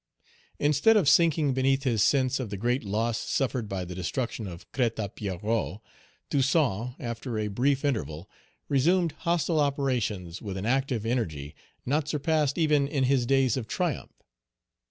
Instead of sinking beneath his sense of the great loss suffered by the destruction of Crête à Pierrot, Toussaint, after a brief interval, resumed hostile operations with an active energy, not surpassed even in his days of triumph.